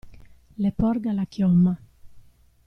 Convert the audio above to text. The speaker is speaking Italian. Le porga la chioma.